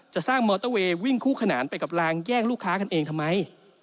สร้างมอเตอร์เวย์วิ่งคู่ขนานไปกับลางแย่งลูกค้ากันเองทำไม